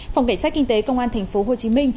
phòng cảnh sát kinh tế công an tp hcm